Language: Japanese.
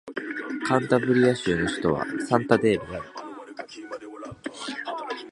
カンタブリア州の州都はサンタンデールである